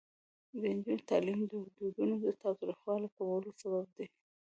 د نجونو تعلیم د ودونو تاوتریخوالي کمولو سبب دی.